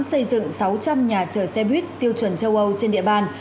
xây dựng sáu trăm linh nhà chờ xe buýt tiêu chuẩn châu âu trên địa bàn